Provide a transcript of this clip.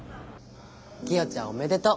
キヨちゃんおめでとう！